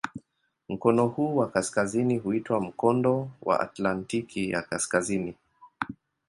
Mkono huu wa kaskazini huitwa "Mkondo wa Atlantiki ya Kaskazini".